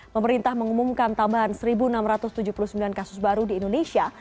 pemerintah mengumumkan tambahan satu enam ratus tujuh puluh sembilan kasus baru di indonesia